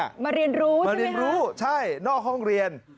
มาเรียนรู้ใช่ไหมครับมาเรียนรู้ใช่นอกห้องเรียน